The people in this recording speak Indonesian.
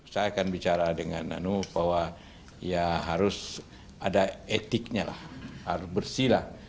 saya akan bicara dengan bahwa ya harus ada etiknya lah harus bersih lah